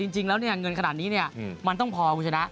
จริงแล้วเงินขนาดนี้มันต้องพอคุณชนะ